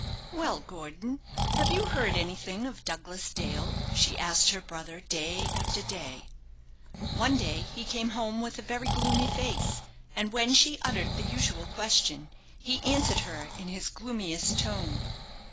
"Well, Gordon, have you heard anything of Douglas Dale?" she asked her brother, day after day. One day he came home with a very gloomy face, and when she uttered the usual question, he answered her in his gloomiest tone.